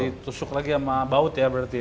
ditusuk lagi sama baut ya berarti ya